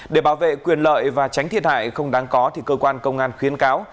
để bảo vệ quyền lợi và tránh thiệt hại không đáng có thì cơ quan công an khuyến cáo